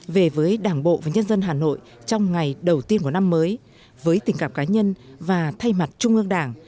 về với đảng bộ và nhân dân hà nội trong ngày đầu tiên của năm mới với tình cảm cá nhân và thay mặt trung ương đảng